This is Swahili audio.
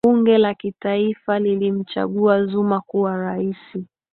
bunge la kitaifa lilimchagua zuma kuwa raisi